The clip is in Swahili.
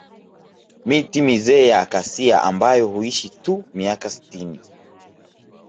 Miti mizee ya Acacia ambayo huishi tu miaka sitini